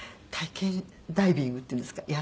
体験ダイビングっていうんですか。